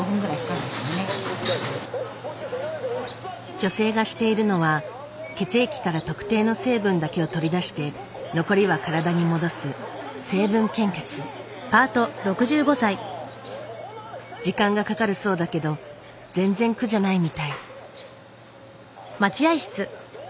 女性がしているのは血液から特定の成分だけを取り出して残りは体に戻す時間がかかるそうだけど全然苦じゃないみたい。